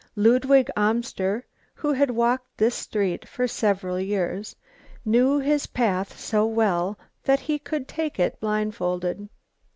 Ludwig Amster, who had walked this street for several years, knew his path so well that he could take it blindfolded.